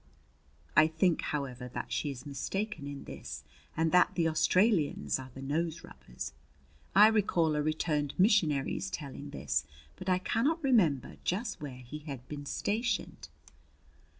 I think, however, that she is mistaken in this and that the Australians are the nose rubbers. I recall a returned missionary's telling this, but I cannot remember just where he had been stationed.